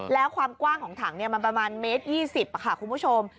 แล้วความกว้างของถังมันประมาณเมตร๒๐ค่ะคุณผู้ชม